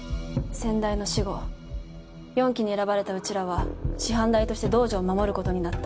先代の死後四鬼に選ばれたうちらは師範代として道場を守ることになった。